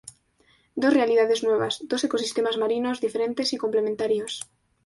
Dos realidades nuevas, dos ecosistemas marinos diferentes y complementarios.